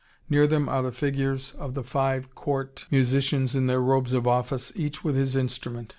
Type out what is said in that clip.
Near them are the figures of the five court musicians in their robes of office, each with his instrument.